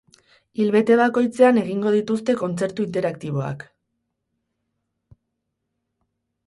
Ilbete bakoitzean egingo dituzte kontzertu interaktiboak.